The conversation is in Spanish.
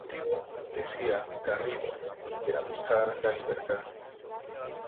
El objetivo, decía Garrido, era buscar la libertad.